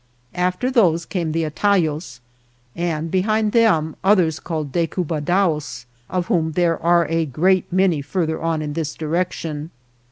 After those come the Atayos, and behind them others, called Decubadaos, of whom there are a great many further on in this direc tion.